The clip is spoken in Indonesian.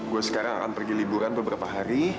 gue sekarang akan pergi liburan beberapa hari